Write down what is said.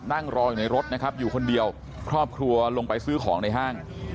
นั่งรออยู่ในรถนะครับอยู่คนเดียวครอบครัวลงไปซื้อของในห้าง